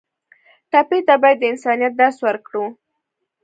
ټپي ته باید د انسانیت درس ورکړو.